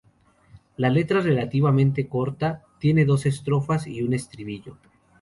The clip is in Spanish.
La letra, relativamente corta, tiene dos estrofas y un estribillo.